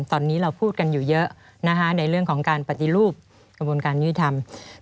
ตอนนี้เราพูดกันอยู่เยอะนะคะในเรื่องของการปฏิรูปกระบวนการยุติธรรม